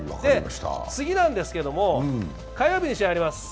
次なんですけど、火曜日に試合があります。